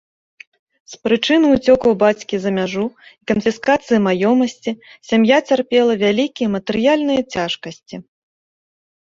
З прычыны ўцёкаў бацькі за мяжу і канфіскацыі маёмасці сям'я цярпела вялікія матэрыяльныя цяжкасці.